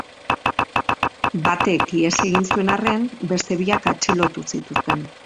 Batek ihes egin zuen arren, beste biak atxilotu zituzten.